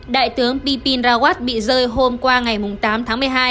đại tướng bipin rawat bị rơi hôm qua ngày tám tháng một mươi hai